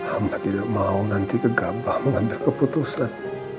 amba tidak mau nanti kegabah mengambil keputusan